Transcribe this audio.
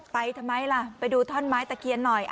ทำไมล่ะไปดูท่อนไม้ตะเคียนหน่อย